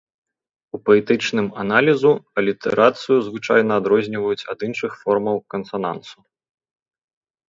У паэтычным аналізу алітэрацыю звычайна адрозніваюць ад іншых формаў кансанансу.